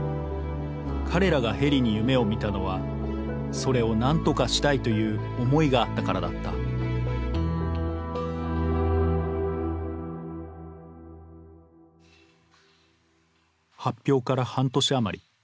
彼らがヘリに夢を見たのはそれをなんとかしたいという思いがあったからだった発表から半年余り。